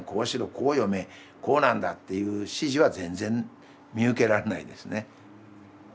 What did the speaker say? こう読めこうなんだっていう指示は全然見受けられないですね。